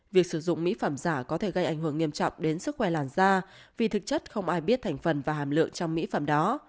việc sử dụng mỹ phẩm giả có thể gây ảnh hưởng nghiêm trọng đến sức khỏe làn da vì thực chất không ai biết thành phần và hàm lượng trong mỹ phẩm đó